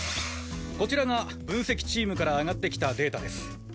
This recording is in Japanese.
こちらが分析チームから上がってきたデータです。